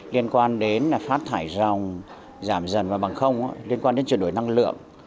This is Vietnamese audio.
liên quan đến phát thải dòng giảm dần và bằng không liên quan đến chuyển đổi năng lượng